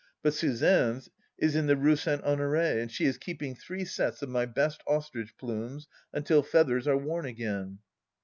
But Suzanne's is in the Rue St. Honore, and she is keeping three sets of my best ostrich plumes, until feathers are worn again